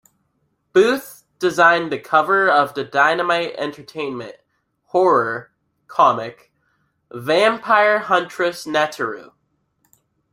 Booth designed the cover of the Dynamite Entertainment horror comic Vampire Huntress Neteru.